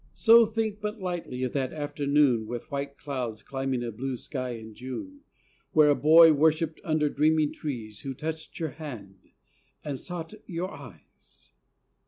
So think but lightly of that afternoon With white clouds climbing a blue sky in June When a boy worshipped under dreaming trees, Who touched your hand, and sought your eyes.